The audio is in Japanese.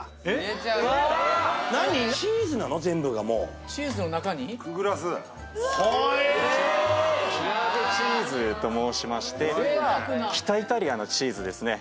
ピアーヴェチーズと申しまして北イタリアのチーズですね